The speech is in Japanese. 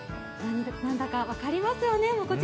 何だか分かりますよね？